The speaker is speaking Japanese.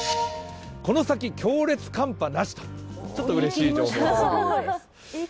この先強烈寒波なしと、ちょっとうれしい情報です。